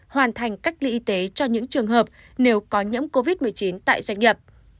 hoàn thành cách ly y tế cho những trường hợp nếu có nhiễm covid một mươi chín tại doanh nghiệp